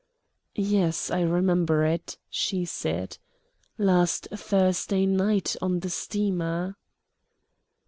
"Yes, I remember it," she said "last Thursday night, on the steamer."